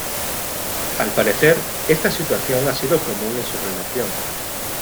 Al parecer, esta situación ha sido común en su relación.